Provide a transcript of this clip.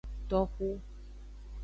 Toxu.